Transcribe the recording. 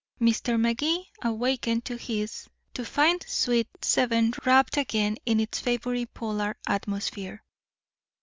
Mr. Magee awakened to his to find suite seven wrapped again in its favorite polar atmosphere.